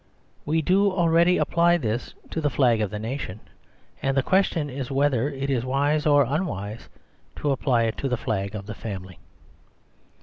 Wc do already apply this to the flag of the nation ; and the question is whether it is wise or unwise to apply it to the flag of the family.